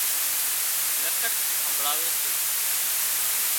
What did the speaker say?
لکت همڀۯاوي سي